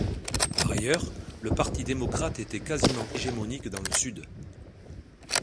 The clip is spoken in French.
Par ailleurs, le parti démocrate était quasiment hégémonique dans le sud.